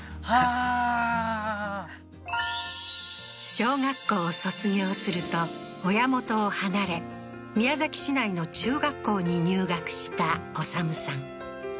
小学校を卒業すると親元を離れ宮崎市内の中学校に入学した修さん